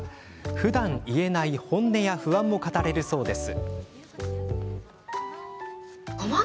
ふだん言えない本音や不安も語れるそうです。